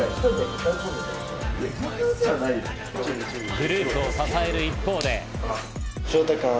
グループを支える一方で。